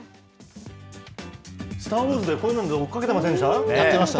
スター・ウォーズでこういうので追っかけていませんでした？